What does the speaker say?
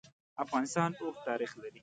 افغانستان اوږد تاریخ لري.